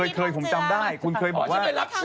เคยผมจำได้คุณเคยบอกว่าอ๋อฉันเป็นรับเชิญ